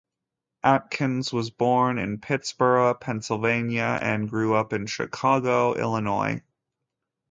Atkins was born in Pittsburgh, Pennsylvania and grew up in Chicago, Illinois.